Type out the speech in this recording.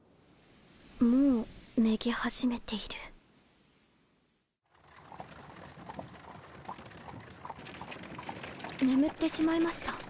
もうめげ始めている眠ってしまいました。